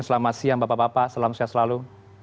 selamat siang bapak bapak selamat siang selalu